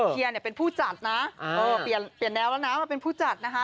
เชียร์เนี่ยเป็นผู้จัดนะเปลี่ยนแนวแล้วนะมาเป็นผู้จัดนะคะ